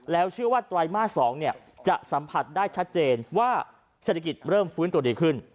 แล้วตรณ์มาสสองจะสัมผัสได้ชัดเจนว่าเศรษฐกิจเริ่มฟื้นตัวดีขึ้น